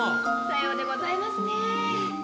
さようでございますね。